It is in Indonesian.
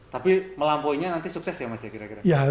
tapi melampauinya nanti sukses ya mas ya kira kira